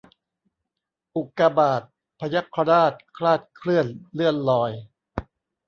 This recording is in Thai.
อุกกาบาต พยัคฆราช คลาดเคลื่อน เลื่อนลอย